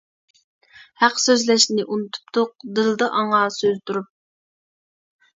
ھەق سۆزلەشنى ئۇنتۇپتۇق، دىلدا ئاڭا سۆز تۇرۇپ.